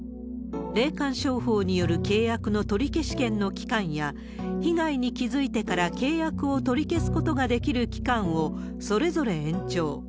霊感商法による契約の取り消し権の期間や、被害に気付いてから契約を取り消すことができる期間をそれぞれ延長。